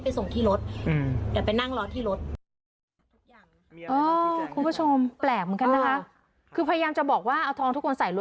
แล้วทีนี้หนูบอกหนูไม่กล้า